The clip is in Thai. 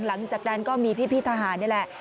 หลังจากนั้นก็มีพี่ทหารนี่แหละ